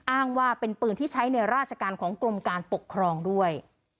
อ้างว่าเป็นปืนที่ใช้ในราชการของกรมการปกครองด้วย